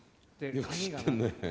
よく知ってんね。